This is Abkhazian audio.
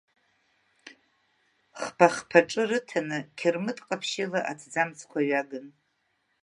Хԥа-хԥа ҿы рыҭаны қьырмыт ҟаԥшьыла аҭӡамцқәа ҩаган.